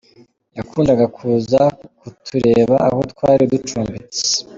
Yakundaga kuza kutureba aho twari ducumbitse.